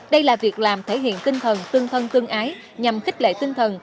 đây là việc làm thể hiện tinh thần tương thân tương ái nhằm khích lệ tinh thần